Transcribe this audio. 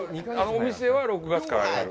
お店は６月からやる？